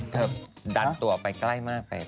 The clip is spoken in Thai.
เธอดัดตัวไปใกล้มากเลย